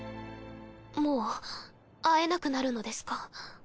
もう会えなくなるのですか？